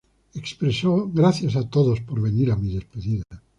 Expresó "Gracias a todos por venir a mi despedida.